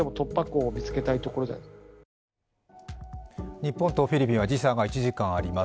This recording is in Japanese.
日本とフィリピンは時差が１時間あります。